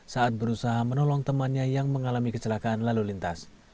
saat berusaha menolong temannya yang mengalami kecelakaan lalu lintas